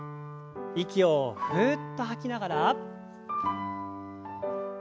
息をふっと吐きながら。